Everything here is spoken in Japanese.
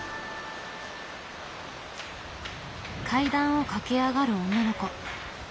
階段を駆け上がる女の子。